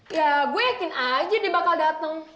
ya saya yakin saja dia akan datang